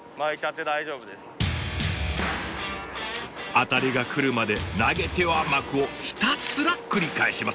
アタリが来るまで投げては巻くをひたすら繰り返します。